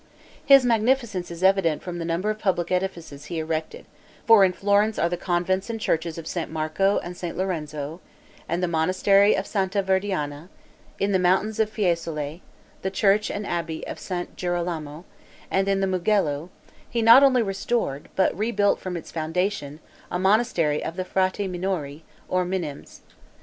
His magnificence is evident from the number of public edifices he erected; for in Florence are the convents and churches of St. Marco and St. Lorenzo, and the monastery of Santa Verdiana; in the mountains of Fiesole, the church and abbey of St. Girolamo; and in the Mugello, he not only restored, but rebuilt from its foundation, a monastery of the Frati Minori, or Minims.